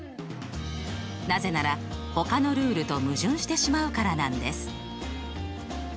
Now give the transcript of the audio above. なぜならほかのルールと矛盾してしまうからなんです。